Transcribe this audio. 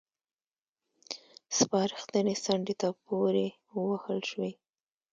سپارښتنې څنډې ته پورې ووهل شوې.